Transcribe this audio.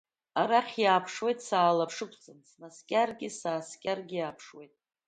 Арахь иааԥшуеит саалаԥшықәҵан, снаскьаргьы, сааскьаргьы иааԥшуеит.